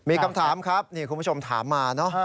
มีคำถามครับนี่คุณผู้ชมถามมาเนอะ